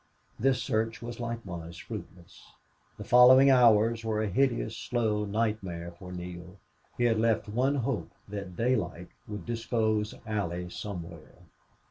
This search was likewise fruitless. The following hours were a hideous, slow nightmare for Neale. He had left one hope that daylight would disclose Allie somewhere.